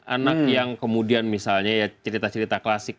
anak yang kemudian misalnya ya cerita cerita klasik